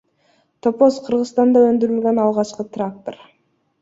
Топоз — Кыргызстанда өндүрүлгөн алгачкы трактор.